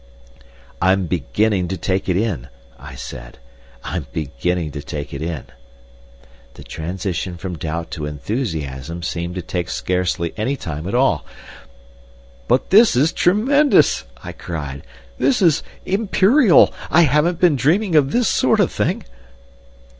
"I'm beginning to take it in," I said; "I'm beginning to take it in." The transition from doubt to enthusiasm seemed to take scarcely any time at all. "But this is tremendous!" I cried. "This is Imperial! I haven't been dreaming of this sort of thing."